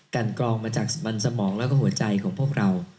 กันกรองมาจากมันสมองและหัวใจของพวกเรา